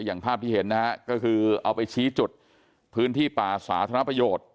อย่างภาพที่เห็นนะฮะก็คือเอาไปชี้จุดพื้นที่ป่าสาธารณประโยชน์